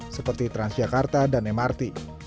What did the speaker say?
seperti transjakarta dan mrt